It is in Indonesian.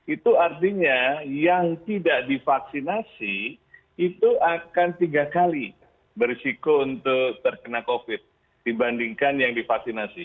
itu artinya yang tidak divaksinasi itu akan tiga kali berisiko untuk terkena covid dibandingkan yang divaksinasi